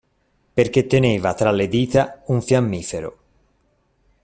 Perché teneva tra le dita un fiammifero.